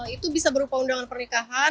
itu bisa berupa undangan pernikahan